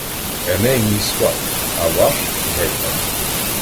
Еней мій сват — а ваш гетьман.